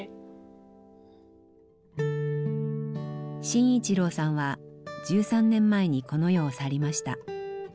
信一郎さんは１３年前にこの世を去りました。